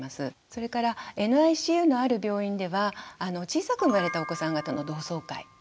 それからＮＩＣＵのある病院では小さく生まれたお子さん方の同窓会とか。